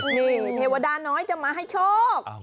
นี่เทวดาน้อยจะมาให้โชค